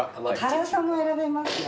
辛さも選べますよ。